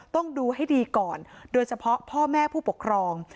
ต้องดูให้ดีก่อนโดยเฉพาะพ่อแม่ผู้ปกครอง